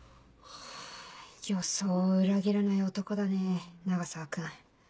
はぁ予想を裏切らない男だね永沢君。